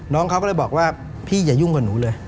น้องเขาก็เลยบอกว่าพี่อย่ายุ่งกับหนูเลย